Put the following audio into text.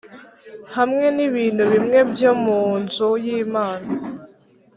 hamwe n’ibintu bimwe byo mu nzu y’Imana